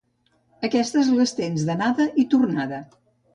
Aquestes les tens d'anada i tornada.